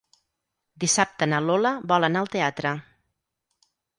Dissabte na Lola vol anar al teatre.